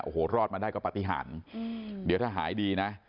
โอ้โหรอดมาได้ก็ปฏิหารเดี๋ยวถ้าหายดีนะ